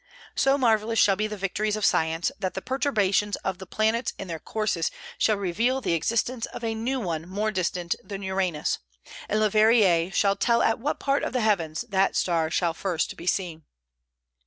So marvellous shall be the victories of science, that the perturbations of the planets in their courses shall reveal the existence of a new one more distant than Uranus, and Leverrier shall tell at what part of the heavens that star shall first be seen.